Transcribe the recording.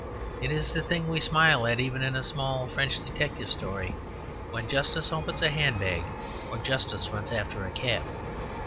It is the thing we smile at even in a small French detective story; when Justice opens a handbag or Justice runs after a cab.